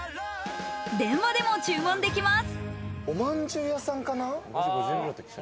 電話でも注文できます。